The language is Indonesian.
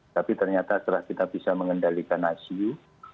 tapi ternyata setelah kita bisa mengendalikan icu